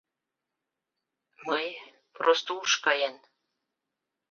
Мый, просто уш каен...